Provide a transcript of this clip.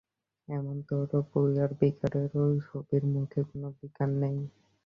এমনতরো পূজার বিকারেও ছবির মূখে কোনো বিকার নেই।